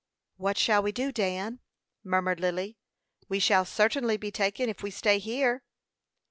"What shall we do, Dan?" murmured Lily. "We shall certainly be taken if we stay here."